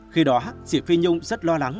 khi đó chị phi nhung rất lo lắng